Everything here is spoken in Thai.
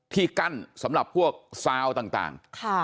ที่กั้นสำหรับพวกซาวต่าง